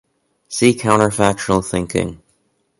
See counterfactual thinking.